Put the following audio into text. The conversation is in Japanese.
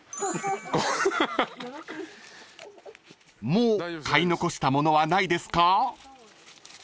［もう買い残したものはないですか？］